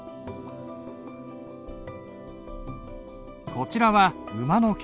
こちらは馬の毛。